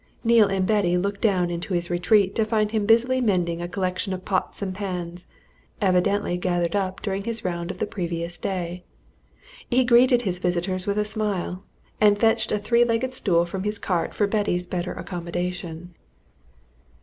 Neale and Betty looked down into his retreat to find him busily mending a collection of pots and pans, evidently gathered up during his round of the previous day. He greeted his visitors with a smile, and fetched a three legged stool from his cart for Betty's better accommodation.